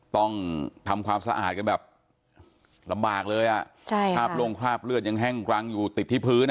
ต้องทำความสะอาดกันแบบลำบากเลยอ่ะใช่ครับคราบโล่งคราบเลือดยังแห้งกรังอยู่ติดที่พื้นอ่ะ